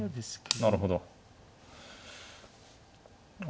なるほど。